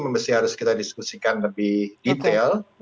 mesti harus kita diskusikan lebih detail